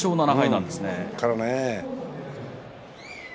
ここからね。